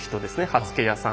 刃付け屋さん。